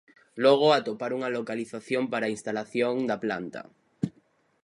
Logo, atopar unha localización para a instalación da planta.